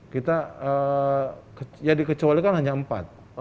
kita ya dikecualikan hanya empat